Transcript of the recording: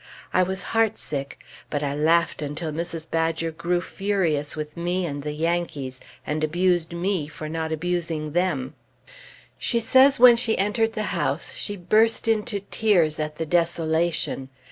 I was heartsick; but I laughed until Mrs. Badger grew furious with me and the Yankees, and abused me for not abusing them. She says when she entered the house, she burst into tears at the desolation.